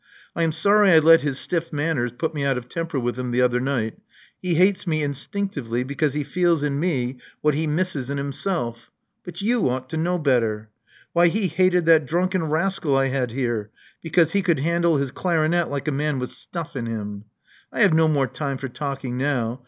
I am sorry I let his stiff manners put me out of temper with him the other night. He hates me instinctively because he feels in me what he misses in himself. But you ought to know better. Why, he hated that drunken rascal I had here, because he could handle his clarinet . like a man with stuff in him. 1 have no more time for talking now.